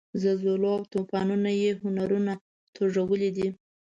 زلزلو او توپانونو یې هنرونه توږلي دي.